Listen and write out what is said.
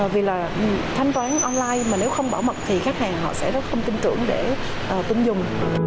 vì là thanh toán online mà nếu không bảo mật thì khách hàng họ sẽ rất không tin tưởng để tin dùng